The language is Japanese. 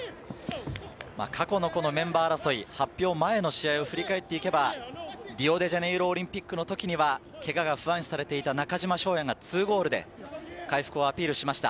過去のメンバー争い、発表前の試合を振り返っていけば、リオデジャネイロオリンピックの時にはけがが不安視されていた中島翔哉が２ゴールで回復をアピールしました。